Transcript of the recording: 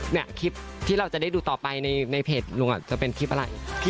เนี่ยคลิปที่เราจะได้ดูต่อไปในเพจลุงจะเป็นคลิปอะไร